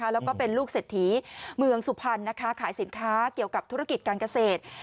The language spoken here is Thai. แล้วก็เป็นลูกเศรษฐีเมืองสุพรรณขายสินค้าเกี่ยวกับธุรกิจการเกษตร